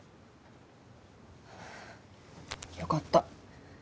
よかった。